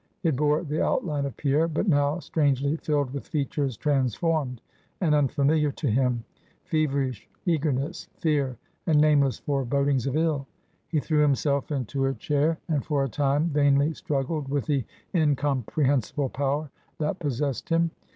It bore the outline of Pierre, but now strangely filled with features transformed, and unfamiliar to him; feverish eagerness, fear, and nameless forebodings of ill! He threw himself into a chair, and for a time vainly struggled with the incomprehensible power that possessed him.